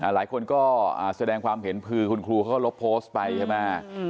หลายคนก็แสดงความเห็นคือคุณครูเขาก็ลบโพสต์ไปใช่ไหม